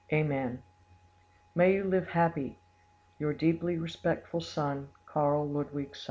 Amen. "May you live happy!—Your deeply respectful son, "KARL LUDWIG SAND."